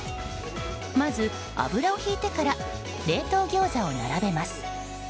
まず、油をひいてから冷凍ギョーザを並べます。